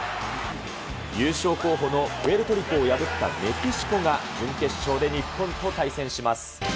優勝候補のプエルトリコを破ったメキシコが、準決勝で日本と対戦します。